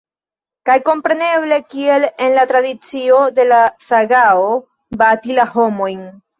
Kaj kompreneble, kiel en la tradicio de la sagao, bati la homojn.